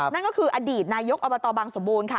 นั่นก็คืออดีตนายกอบตบังสมบูรณ์ค่ะ